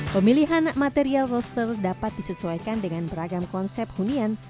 pemilihan material roster dapat disesuaikan dengan beragam konsep hunian